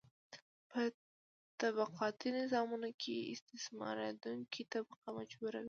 په طبقاتي نظامونو کې استثماریدونکې طبقه مجبوره وي.